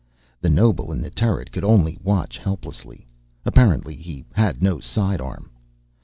The noble in the turret could only watch helplessly. Apparently he had no sidearm.